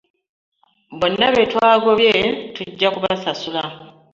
Bonna be twagobye tujja kubasasula.